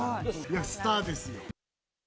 スターですよ。